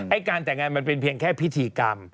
การแต่งงานมันเป็นเพียงแค่พิธีกรรม